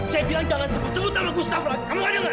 saya bilang jangan sebut sebut nama gustaf lagi kamu gak dengar